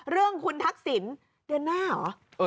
เรื่องคุณทักษิณเดือนหน้าเหรอ